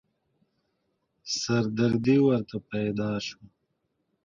سردردې ورته پيدا شوه.